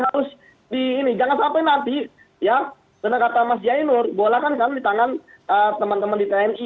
terus di ini jangan sampai nanti ya kata mas jainur bolakan kamu ditangan teman teman di tni